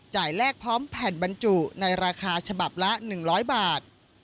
แลกพร้อมแผ่นบรรจุในราคาฉบับละ๑๐๐บาท